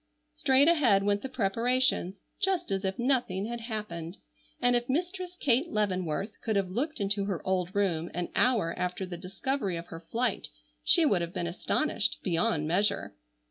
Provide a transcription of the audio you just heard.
Straight ahead went the preparations, just as if nothing had happened, and if Mistress Kate Leavenworth could have looked into her old room an hour after the discovery of her flight she would have been astonished beyond measure.